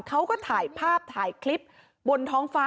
เขาก็ถ่ายภาพถ่ายคลิปบนท้องฟ้า